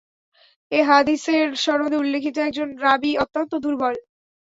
এ হাদীসের সনদে উল্লেখিত একজন রাবী অত্যন্ত দুর্বল।